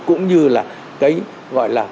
cũng như là cái gọi là